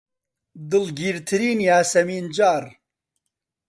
دڵگیرترین یاسەمینجاڕ